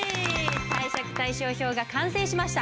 貸借対照表が完成しました。